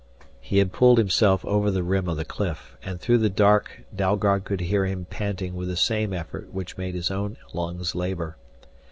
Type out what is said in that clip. He had pulled himself over the rim of the cliff, and through the dark Dalgard could hear him panting with the same effort which made his own lungs labor.